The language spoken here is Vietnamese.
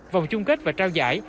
vòng chung kết và trao giải